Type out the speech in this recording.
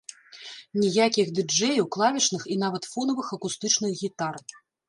Ніякіх ды-джэяў, клавішных і нават фонавых акустычных гітар.